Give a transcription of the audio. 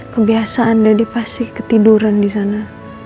kebiasaan jadi pasti ketiduran disana